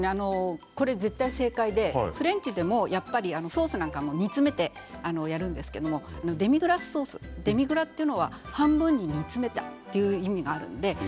絶対、正解でフレンチでもソースなんかを煮詰めてやるんですけどデミグラスソースでデミグラというのは半分に煮詰めるという意味なんです。